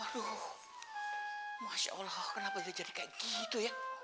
aduh masya allah kenapa dia jadi kayak gitu ya